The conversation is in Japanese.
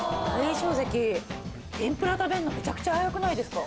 翔関天ぷら食べるのめちゃくちゃ早くないですか？